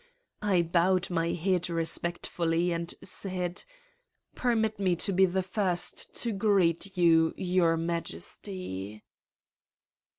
I bowed my head respectfully and said: "Permit me to be the first to greet you ... Your Majesty."